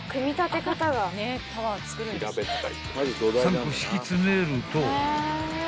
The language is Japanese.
［３個敷き詰めると］